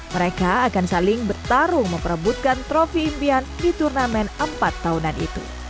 mereka akan saling bertarung memperebutkan trofi impian di turnamen empat tahunan itu